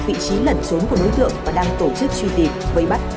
vị trí lẩn trốn của đối tượng và đang tổ chức truy tìm vây bắt